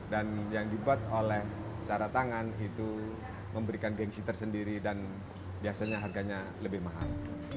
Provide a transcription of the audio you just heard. dan yang dibuat oleh secara tangan itu memberikan gengsi tersendiri dan biasanya harganya lebih mahal